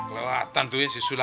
keluatan tuh ya si sulam